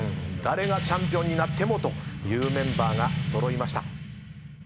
誰がチャンピオンになってもというメンバーが揃いました。